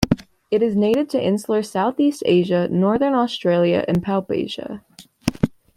It is native to insular Southeast Asia, northern Australia and Papuasia.